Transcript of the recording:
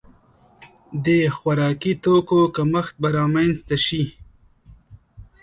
د خوراکي توکو کمښت به رامنځته شي.